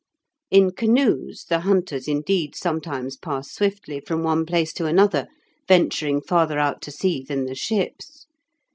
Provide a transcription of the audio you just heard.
In canoes the hunters, indeed, sometimes pass swiftly from one place to another, venturing farther out to sea than the ships.